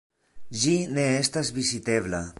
Ĝi ne estas vizitebla.